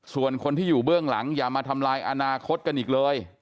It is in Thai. ส่วนคนที่อยู่เบื้องหลังอย่ามาทำลายอนาคตกันอีกเลย